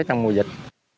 trong mùa dịch